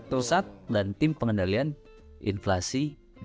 tosat dan tim pengendalian inflasi